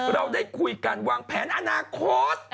เราได้คุยกันวางแผนอนาคต